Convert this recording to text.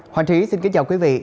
hoàng trí xin kính chào quý vị